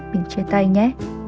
mình chia tay nhé